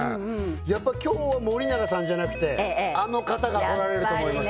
やっぱ今日は森永さんじゃなくてあの方が来られると思います